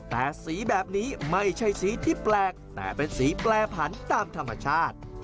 แต่สีแบบนี้ไม่ใช่สีที่แปลกแต่เป็นสีแปรผันตามธรรมชาติ